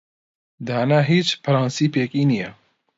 دانا هیچ پرەنسیپێکی نییە.